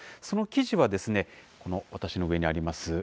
その記事は、私の上にあります